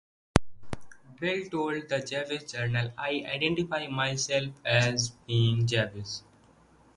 Bell told "The Jewish Journal", "I identify myself as being Jewish".